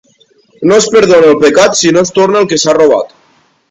No es perdona el pecat si no es torna el que s'ha robat.